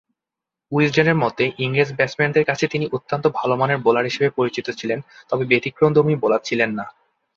উইজডেনের মতে, ইংরেজ ব্যাটসম্যানদের কাছে তিনি অত্যন্ত ভালোমানের বোলার হিসেবে পরিচিত ছিলেন; তবে, ব্যতিক্রমধর্মী বোলার ছিলেন না।